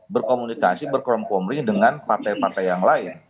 berkomunikasi berkomunikasi dengan partai partai yang lain